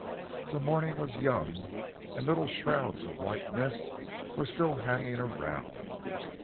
The morning was young, and little shrouds of white mist were still hanging around.